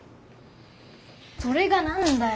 それがなんだよ！